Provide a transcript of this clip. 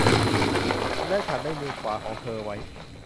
และฉันได้มือขวาของเธอไว้